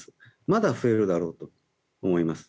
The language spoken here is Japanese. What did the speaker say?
まだ増えるだろうと思います。